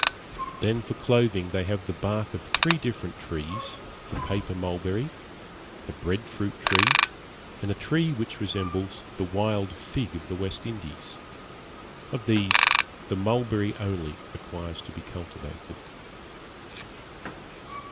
Then for clothing they have the bark of three different trees, the paper mulberry, the bread fruit tree, and a tree which resembles the wild fig tree of the West Indies; of these the mulberry only requires to be cultivated.